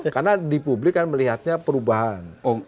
karena di publik kan melihatnya perubahan